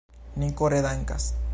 Ni kore dankas.